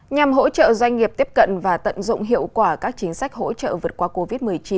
nhằm hỗ trợ doanh nghiệp tiếp cận và tận dụng hiệu quả các chính sách hỗ trợ vượt qua covid một mươi chín